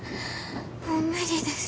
もう無理です